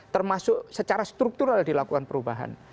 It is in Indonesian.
termasuk secara struktural dilakukan perubahan